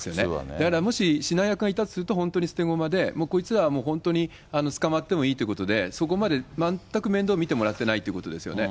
だからもし指南役がいたとすると、本当に捨て駒で、もうこいつらは本当に捕まってもいいということで、そこまで全く面倒見てもらってないということですよね。